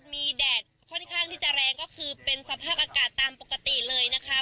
มีแดดค่อนข้างที่จะแรงก็คือเป็นสภาพอากาศตามปกติเลยนะคะ